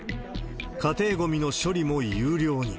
家庭ごみの処理も有料に。